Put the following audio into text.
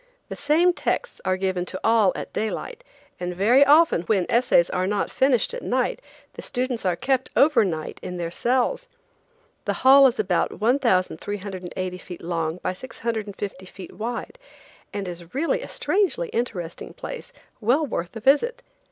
The same texts are given to all at daylight, and very often when essays are not finished at night the students are kept over night in their cells. The Hall is about 1,380 feet long by 650 feet wide, and is really a strangely interesting place well worth a visit.